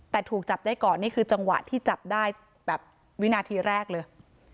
แต่ถูกจับได้ก่อนนี่คือจังหวะที่จับได้แบบวินาทีแรกเลย